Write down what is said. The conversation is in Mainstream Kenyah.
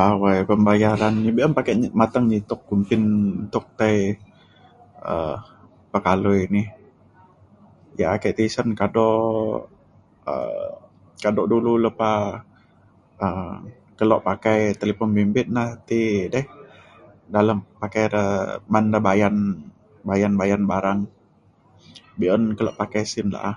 awai pembayaran ni be’un mateng nyituk pempin tuk tai um pekalui ini. yak ake tisen kado um kado dulu lepa um kelo pakai talipon bimbit na ti edei dalem pakai re man de bayan bayan bayan barang. be’un kelo pakai sin la’a